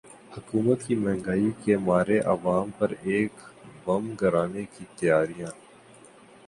حکومت کی مہنگائی کے مارے عوام پر ایک اور بم گرانے کی تیاریاں